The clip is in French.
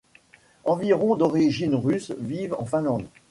Environ d'origine russe vivent en Finlande.